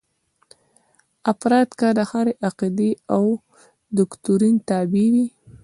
افراد که د هرې عقیدې او دوکتورین تابع وي.